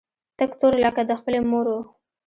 تک تور لکه د خپلې مور و.